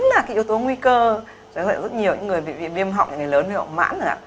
chính là cái yếu tố nguy cơ cho nên là rất nhiều người bị viêm họng người lớn bị họng mãn rồi ạ